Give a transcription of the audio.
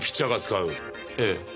ええ。